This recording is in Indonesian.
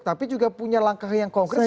tapi juga punya langkah yang konkret